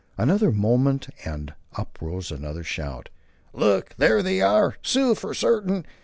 Another moment and up rose another shout. "Look!" "There they are!" "Sioux for certain!"